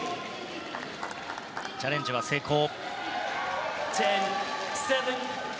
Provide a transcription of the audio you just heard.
チャレンジは成功。